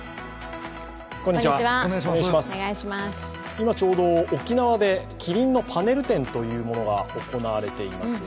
今ちょうど、沖縄できりんのパネル展というのが行われています。